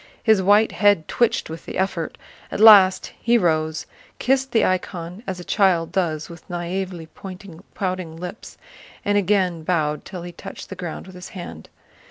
His white head twitched with the effort. At last he rose, kissed the icon as a child does with naïvely pouting lips, and again bowed till he touched the ground with his hand.